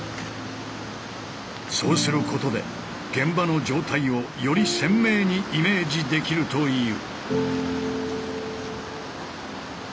そうすることで現場の状態をより鮮明にイメージできるという。